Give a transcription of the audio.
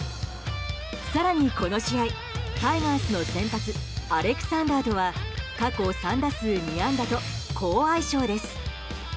更にこの試合、タイガースの先発アレクサンダーとは過去３打数２安打と好相性です。